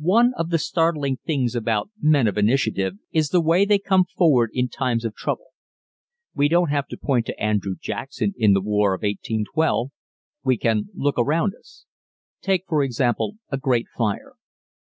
_ One of the startling things about men of initiative is the way they come forward in times of trouble. We don't have to point to Andrew Jackson in the War of 1812. We can look around us. Take, for example, a great fire.